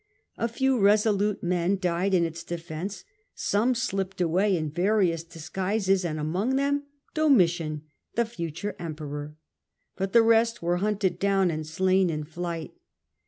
A few resolute men died in its defence ; some slipped away in various disguises, and among them Domitian, the future Emperor ; but the rest were hunted down and slain in flight.